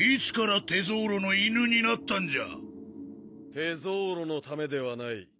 テゾーロのためではない。